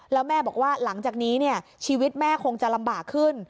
แล้วแม่บอกว่าหลังจากนี้ชีวิตแม่คงจะลำบากขึ้น